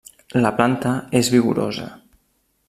La planta és vigorosa.